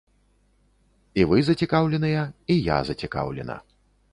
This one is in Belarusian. І вы зацікаўленыя, і я зацікаўлена.